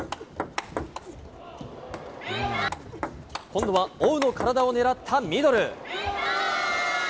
今度は王の体を狙ったミドル。